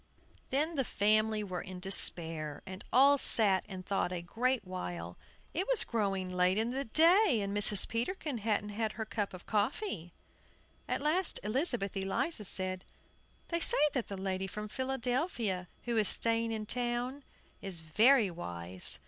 Then the family were in despair, and all sat and thought a great while. It was growing late in the day, and Mrs. Peterkin hadn't had her cup of coffee. At last Elizabeth Eliza said, "They say that the lady from Philadelphia, who is staying in town, is very wise.